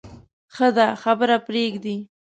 ښه ده خبره پرېږدې.